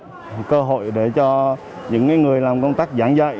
cơ hội để cho những người làm công tác giảng dạy